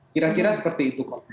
kira kira seperti itu kok